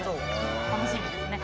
楽しみですね。